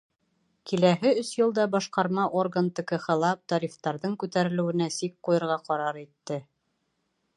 Киләһе өс йылда башҡарма орган ТКХ-ла тарифтарҙың күтәрелеүенә сик ҡуйырға ҡарар итте.